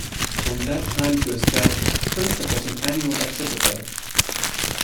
From that time to his death Prinsep was an annual exhibitor.